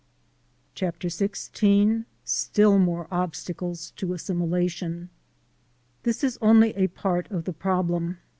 CHAPTER XVI STILL MOKE OBSTACLES TO ASSIMILATION THIS is only a part of the problem.